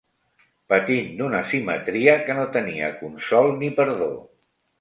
Patint d'una simetria que no tenia consol ni perdó.